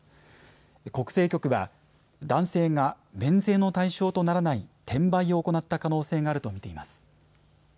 国税局は男性が免税の対象とならない転売を行った可能性があると見ています。